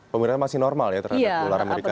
pemirsa masih normal ya terhadap dolar amerika serikat